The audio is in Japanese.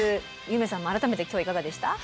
夢さんも改めて今日いかがでした？